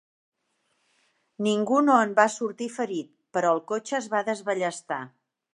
Ningú no en va sortir ferit, però el cotxe es va desballestar.